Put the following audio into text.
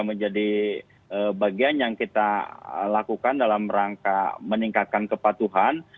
menjadi bagian yang kita lakukan dalam rangka meningkatkan kepatuhan